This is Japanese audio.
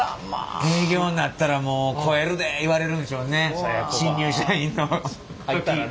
営業になったらもう肥えるでえ言われるんでしょうね新入社員の時。